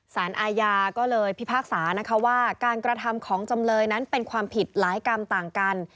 สารอาญาก็เลยพิพากษานะคะว่าการกระทำของจำเลยนั้นเป็นความผิดหลายกรรมต่างกัน